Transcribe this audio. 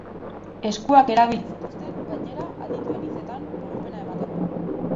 Eskuak erabili zituzten, gainera, adituen hitzetan, bolumena emateko.